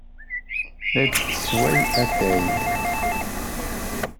La d-tessewway atay.